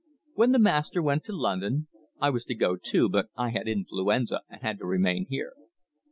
"When the master went to London. I was to go too, but I had influenza and had to remain here."